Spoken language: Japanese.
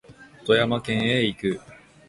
富山県へ行く